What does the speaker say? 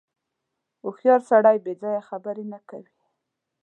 • هوښیار سړی بېځایه خبرې نه کوي.